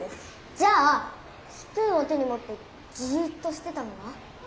じゃあスプーンを手に持ってじっとしてたのは？